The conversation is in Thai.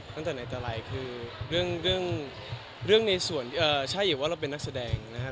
ตั้งแต่ในตะไรคือเรื่องในส่วนใช่อยู่ว่าเราเป็นนักแสดงนะครับ